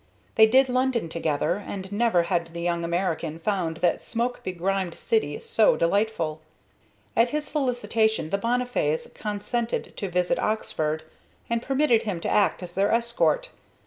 They did London together, and never had the young American found that smoke begrimed city so delightful. At his solicitation the Bonnifays consented to visit Oxford, and permitted him to act as their escort.